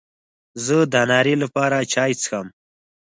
زه د ناري لپاره چای څښم.